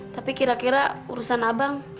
tapi kira kira urusan abang